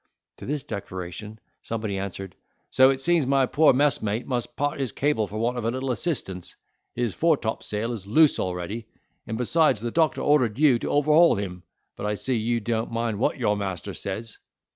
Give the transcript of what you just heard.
To this declaration somebody answered, "So it seems my poor messmate must part his cable for want of a little assistance. His foretopsail is loose already; and besides the doctor ordered you to overhaul him; but I see you don't mind what your master says."